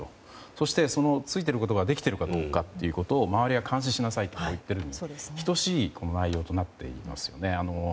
そしてついていることができているかどうかということを周りは監視しなさいと言っているに等しい内容となっていますよね。